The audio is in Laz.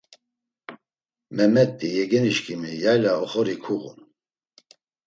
Memet̆i yegenişǩimi yayla oxori kuğun.